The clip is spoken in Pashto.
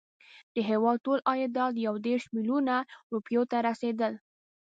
د هیواد ټول عایدات یو دېرش میلیونه روپیو ته رسېدل.